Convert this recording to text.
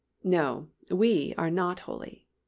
No, we are not holy.